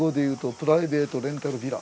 プライベートレンタルビラ。